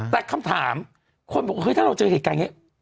แต่คำถามคนบอกถ้าเราเจอเหตุการณ์อย่างนี้